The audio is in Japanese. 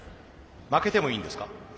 負けてもいいんですか？